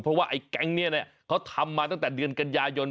เพราะว่าไอ้แก๊งนี้เขาทำมาตั้งแต่เดือนกันยายน